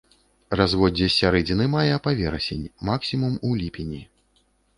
Разводдзе з сярэдзіны мая па верасень, максімум у ліпені.